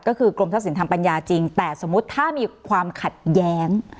ก็คือกรมทรัพย์สินทางปัญญาจริงแต่สมมุติถ้ามีความขัดแย้ง